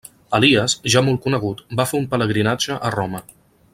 Elies, ja molt conegut, va fer un pelegrinatge a Roma.